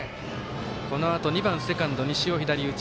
このあと、２番、セカンド西尾、左打ち。